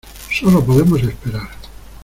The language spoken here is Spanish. solo podemos esperar.